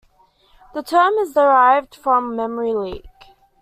The term is derived from memory leak.